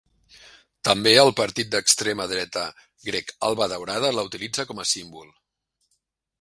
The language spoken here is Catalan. També el partit d'extrema dreta grec Alba Daurada la utilitza com a símbol.